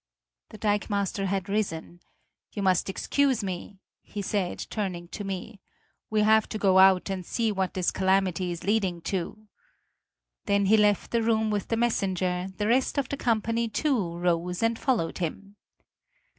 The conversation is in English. The dikemaster had risen. "You must excuse me," he said, turning to me, "we have to go out and see what this calamity is leading to." Then he left the room with the messenger; the rest of the company too rose and followed him.